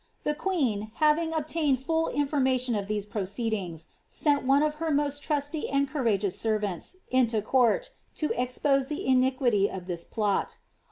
The queen, having ob information of these proceedings, sent one of her most trusty [eous servants into court, to expose the iniquity of this plot.